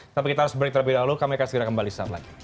tapi kita harus break terlebih dahulu kami akan segera kembali saat lagi